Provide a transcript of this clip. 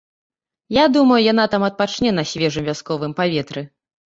Я думаю, яна там адпачне на свежым вясковым паветры.